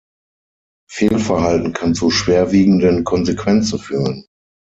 Fehlverhalten kann zu schwerwiegenden Konsequenzen führen.